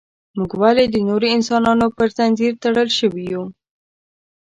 موږ ولې د نورو انسانانو پر زنځیر تړل شوي یو.